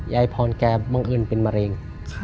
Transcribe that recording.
ยายพรแกบังเอิญเป็นมะเร็ง